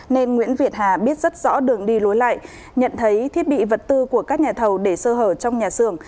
nên nguyễn việt hà biết rất rõ đường đi lối lại nhận thấy thiết bị vật tư của các nhà thầu để sơ hở trong nhà xưởng